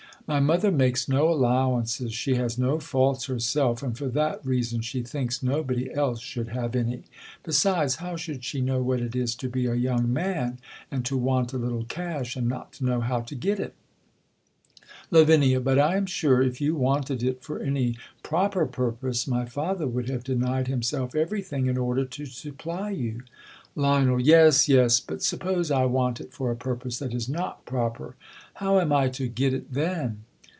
] My mother m^kcs no allowances. She has no faults herself, and for that reason she thinks nobody else should have any. }3e sides, how should she know what it is to be a young man ? and to want a little cash, and not to know how to get it ? Lav, But I am sure, if you wanted it for any prop er purpose, my father would have denied himself every thing, in order to supply you. Lion. Yes, yes ; but suppose I want it for a pur pose that is not proper, how am I to get it then